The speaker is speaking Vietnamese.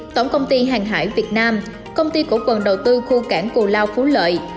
tổng công ty hàng hải việt nam công ty cổ phần đầu tư khu cảng cù lao phú lợi